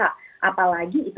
apalagi itu terhadap anak anak